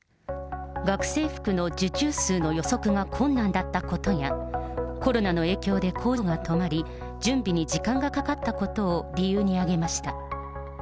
学生服の受注数の予測が困難だったことや、コロナの影響で工場が止まり、準備に時間がかかったことを理由に挙げました。